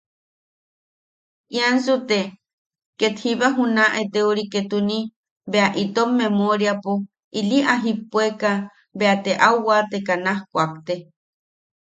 Iansu te ketiba juna eteori ketuni, ‘bea ta itom memoriapo ili a jipuekaʼ, bea te au waateka naj kuakte.